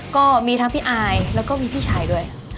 ก็มีทั้งพี่อายแล้วก็มีพี่ชายด้วย